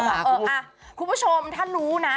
คุณผู้ชมถ้ารู้นะ